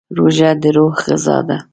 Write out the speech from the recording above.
روژه د روح غذا ده.